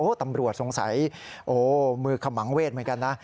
ตำรวจสงสัยโอ้มือขมังเวทเหมือนกันนะ